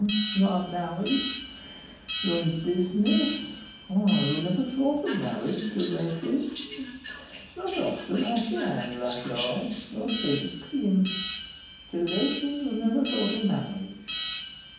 You aren't married. You're in business. You've never thought of marriage till lately. It's not often I see a hand like yours. Your slate is clean. Till lately you never thought of marriage."